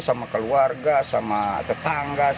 dengan keluarga dan tetangga